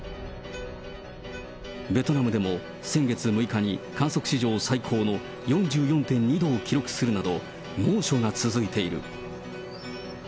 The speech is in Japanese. ベトナムでも先月６日に、観測史上最高の４４．２度を記録するなど、猛暑が続いている。